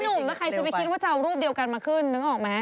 หนุ่มแล้วใครจะไปคิดว่าจะเอารูปเดียวกันมาขึ้นนึกออกไหม